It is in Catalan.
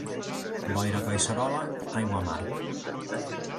Boira a Collserola, aigua a mar.